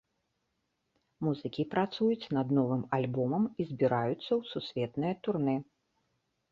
Музыкі працуюць над новым альбомам і збіраюцца ў сусветнае турнэ.